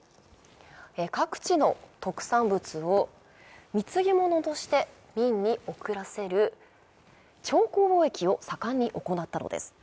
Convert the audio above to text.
各地の特産物を貢ぎ物として明に贈らせる朝貢貿易を盛んに行ったのです。